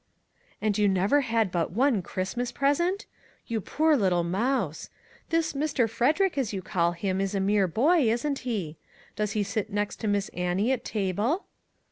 " And you never had but one Christmas pres ent? You poor little mouse! This 'Mr. Frederick/ as you call him, is a mere boy, isn't he ? Does he sit next to Miss Annie at table